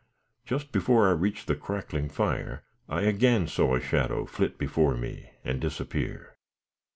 Just before I reached the crackling fire, I again saw a shadow flit before me and disappear.